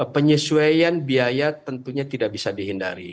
penyesuaian biaya tentunya tidak bisa dihindari